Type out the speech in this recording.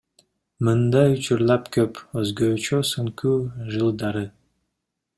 Мындай учурлар көп, өзгөчө соңку жылдары.